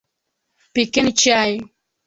Pikeni chai.